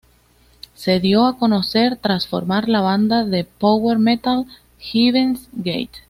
Se dio a conocer tras formar la banda de power metal Heaven's Gate.